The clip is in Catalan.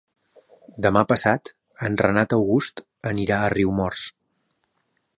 Demà passat en Renat August anirà a Riumors.